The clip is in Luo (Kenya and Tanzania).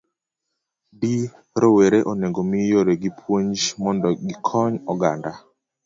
D. Rowere onego mi yore gi puonj mondo gikony oganda.